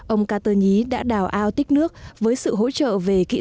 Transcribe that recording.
ông carter nhí đã đào ao tích nước với sự hỗ trợ về kỹ thuật